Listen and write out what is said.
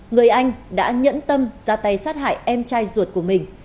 người anh đã nhẫn tâm ra tay sát hại em trai ruột của mình